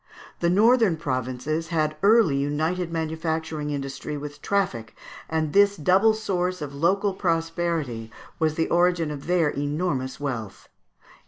The northern provinces had early united manufacturing industry with traffic, and this double source of local prosperity was the origin of their enormous wealth.